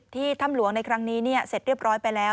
ถ้ำหลวงในครั้งนี้เสร็จเรียบร้อยไปแล้ว